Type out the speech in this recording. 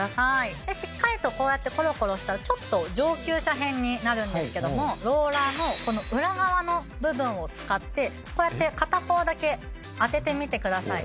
でしっかりとこうやってコロコロしたらちょっと上級者編になるんですけどもローラーのこの裏側の部分を使ってこうやって片方だけ当ててみてください。